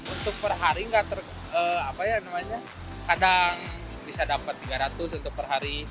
untuk perhari kadang bisa dapat tiga ratus untuk perhari